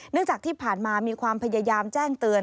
จากที่ผ่านมามีความพยายามแจ้งเตือน